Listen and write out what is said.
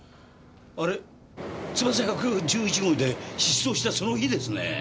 つばさ１１１号で失踪したその日ですねえ。